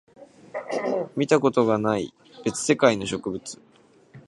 見たことがない別世界の植物